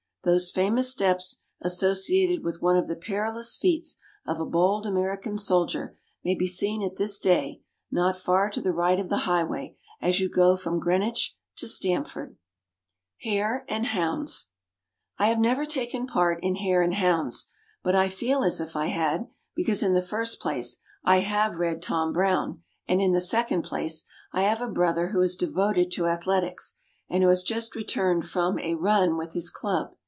Those famous steps, associated with one of the perilous feats of a bold American soldier, may be seen at this day, not far to the right of the highway, as you go from Greenwich to Stamford. HARE AND HOUNDS. I have never taken part in "Hare and Hounds," but I feel as if I had, because in the first place, I have read Tom Brown, and in the second place, I have a brother who is devoted to athletics, and who has just returned from a "run" with his club.